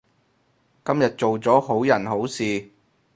今日做咗好人好事